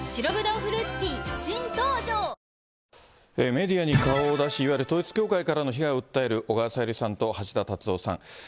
メディアに顔を出し、いわゆる統一教会からの被害を訴える小川さゆりさんと橋田達夫さん。